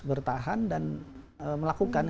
bertahan dan melakukan